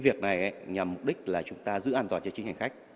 việc này nhằm mục đích là chúng ta giữ an toàn cho chính hành khách